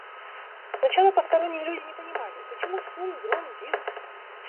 Сначала посторонние люди не понимали: почему шум, гром, визг?